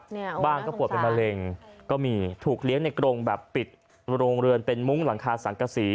เนี่ยบ้างก็ปวดเป็นมะเร็งก็มีถูกเลี้ยงในกรงแบบปิดโรงเรือนเป็นมุ้งหลังคาสังกษี